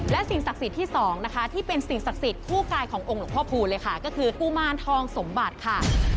และสิ่งศักดิ์สิทธิ์ที่สองนะคะที่เป็นสิ่งศักดิ์สิทธิ์คู่กายขององค์หลวงพ่อพูนเลยค่ะก็คือกุมารทองสมบัติค่ะ